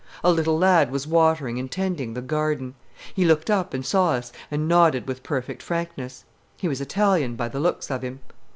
A little lad was watering and tending the "garden." He looked up and saw us and nodded with perfect frankness. He was Italian, by the looks of him.